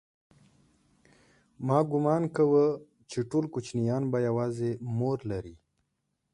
ما گومان کاوه چې ټول کوچنيان به يوازې مور لري.